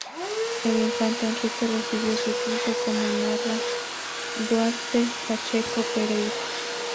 El infante Enrique recibió su quinto, como narra Duarte Pacheco Pereira.